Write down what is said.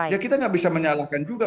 ya kita nggak bisa menyalahkan juga